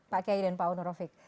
pak kiai dan pak honor rovick